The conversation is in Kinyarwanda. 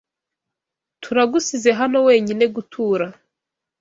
Turagusize hano wenyine gutura